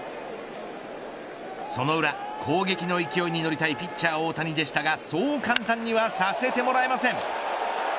その裏、攻撃の勢いに乗りたいピッチャー大谷でしたがそう簡単にはさせてもらえません。